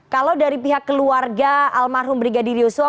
kalau dari pihak keluarga almarhum brigadir yosua